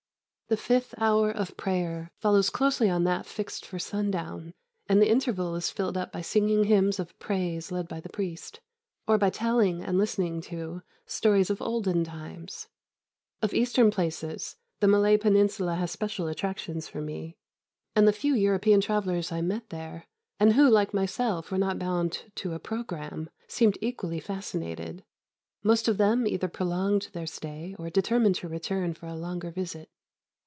The fifth hour of prayer follows closely on that fixed for sundown, and the interval is filled up by singing hymns of praise led by the priest, or by telling, and listening to, stories of olden times. Of Eastern places the Malay Peninsula had special attractions for me, and the few European travellers I met there, and who, like myself, were not bound to a programme, seemed equally fascinated. Most of them either prolonged their stay, or determined to return for a longer visit.